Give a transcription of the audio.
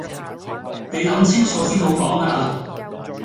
你諗清楚先好講呀